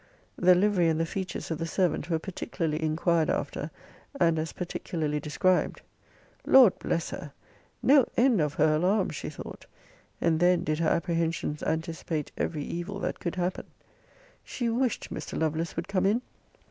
The livery and the features of the servant were particularly inquired after, and as particularly described Lord bless her! no end of her alarms, she thought! And then did her apprehensions anticipate every evil that could happen. She wished Mr. Lovelace would come in.